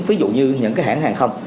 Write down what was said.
ví dụ như những cái hãng hàng không